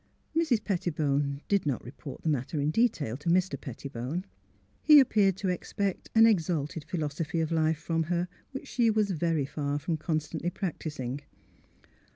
'' Mrs. Pettibone did not report the matter in de tail to Mr. Pettibone. He appeared to expect an exalted philosophy of life from her which she was very far from constantly practising.